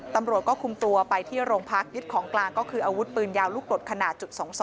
ตำรวจก็คุมตัวไปที่โรงพักยึดของกลางก็คืออาวุธปืนยาวลูกกรดขนาดจุด๒๒